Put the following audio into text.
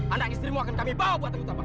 anak istrimu akan kami bawa ke tengku tabak